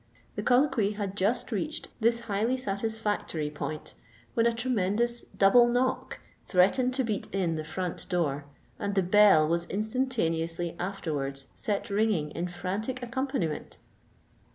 The colloquy had just reached this highly satisfactory point, when a tremendous double knock threatened to beat in the front door, and the bell was instantaneously afterwards set ringing in frantic accompaniment.